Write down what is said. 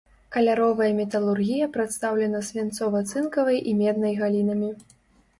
Каляровая металургія прадстаўлена свінцова-цынкавай і меднай галінамі.